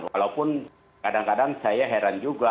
walaupun kadang kadang saya heran juga